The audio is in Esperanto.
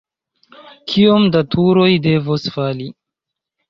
Kiom da turoj devos fali?